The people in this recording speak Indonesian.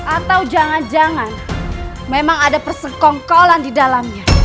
atau jangan jangan memang ada persekongkolan di dalamnya